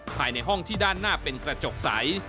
ภายในห้องที่ด้านหน้าเป็นกระจกใส